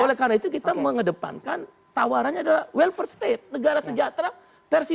oleh karena itu kita mengedepankan tawarannya adalah welfare state negara sejahtera versi